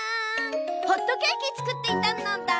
ホットケーキつくっていたのだ。